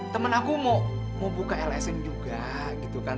temen aku mau buka lsm juga gitu kan